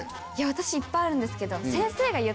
私いっぱいあるんですけど。